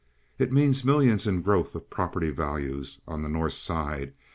It means millions in growth of property values on the North Side.